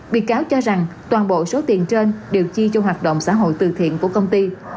bị cáo cho rằng toàn bộ số tiền trên đều chi cho hoạt động xã hội từ thiện của công ty